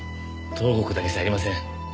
東国だけじゃありません。